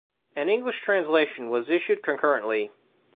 An English translation was issued concurrently.